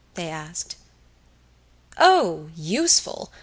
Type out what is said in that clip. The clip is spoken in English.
they asked. "Oh useful!